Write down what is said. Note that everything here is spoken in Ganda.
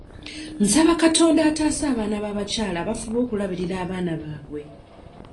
Nsaba Katonda ataase abaana b'abakyala abafuba okulabirira abaana baabwe.